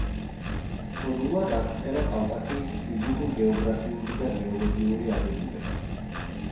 სრულად აღწერა კავკასიის ფიზიკურ-გეოგრაფიული და გეოლოგიური აგებულება.